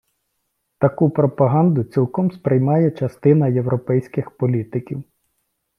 Таку пропаганду цілком сприймає частина європейських політиків.